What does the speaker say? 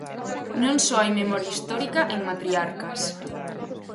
Non só hai memoria histórica en Matriarcas.